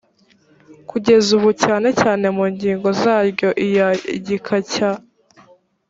kugeza ubu cyane cyane mu ngingo zaryo iya igika cya